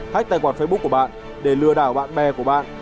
hách tài khoản facebook của bạn để lừa đảo bạn bè của bạn